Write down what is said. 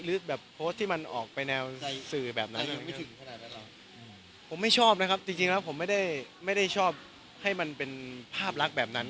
หรือแบบโพสต์ที่มันออกไปแนวสื่อแบบนั้น